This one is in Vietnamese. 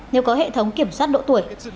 nếu có hệ thống kiểm soát độ tuổi